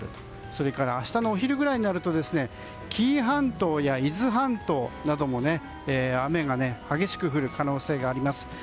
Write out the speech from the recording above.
それから明日のお昼ぐらいになると紀伊半島や伊豆半島なども雨が激しく降る可能性があります。